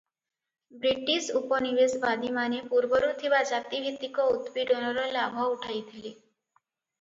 British ଉପନିବେଶବାଦୀମାନେ ପୂର୍ବରୁ ଥିବା ଜାତିଭିତ୍ତିକ ଉତ୍ପୀଡ଼ନର ଲାଭ ଉଠାଇଥିଲେ ।